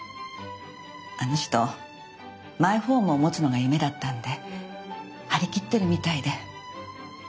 あの人マイホームを持つのが夢だったんで張り切ってるみたいで。